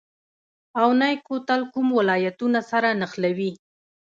اونی کوتل کوم ولایتونه سره نښلوي؟